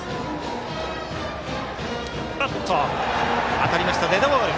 当たりましたデッドボール。